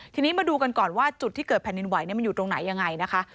ทีนี้มาดูกันก่อนว่าจุดที่เกิดแผ่นดินไหวมันอยู่ตรงไหนยังไงนะคะ